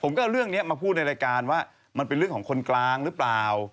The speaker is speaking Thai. ก็เอาเรื่องนี้มาพูดในรายการว่ามันเป็นเรื่องของคนกลางหรือเปล่า